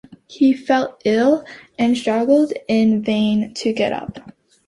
He felt ill, and struggled in vain to get up.